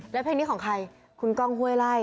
แล้วเพลงนี้ของใครคุณก้องห้วยไล่